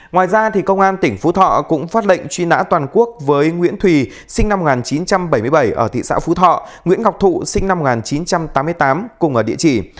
ngoài ra công an tỉnh phú thọ cũng phát lệnh truy nã toàn quốc với nguyễn thùy sinh năm một nghìn chín trăm bảy mươi bảy ở thị xã phú thọ nguyễn ngọc thụ sinh năm một nghìn chín trăm tám mươi tám cùng ở địa chỉ